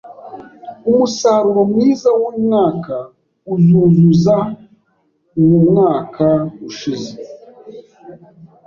Umusaruro mwiza wuyu mwaka uzuzuza uwumwaka ushize